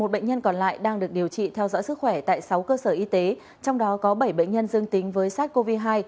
một bệnh nhân còn lại đang được điều trị theo dõi sức khỏe tại sáu cơ sở y tế trong đó có bảy bệnh nhân dương tính với sars cov hai